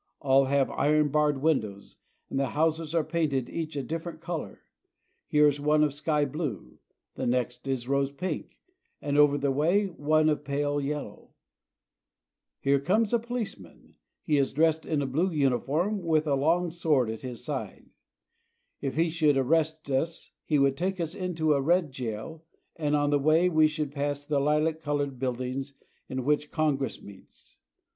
All have iron barred windows, and the houses are painted each a differ ent color. Here is one of sky blue, the next is rose pink, and over the way is one of pale yellow. Here comes a policeman. He is dressed in a blue "There is one coming toward us," PARAGUAY. 223 uniform, with a long sword at his side. If he should arrest us he would take us into a red jail, and on the way we should pass the li ^^,^_^,._^. lac colored build . ^5p:li^^iSife^^ ing in which Con gress meets.